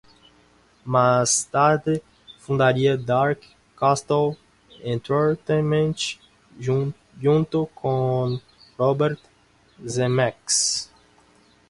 Más tarde fundaría Dark Castle Entertainment junto con Robert Zemeckis.